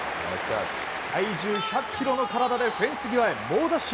体重１００ｋｇの体でフェンス際へ猛ダッシュ。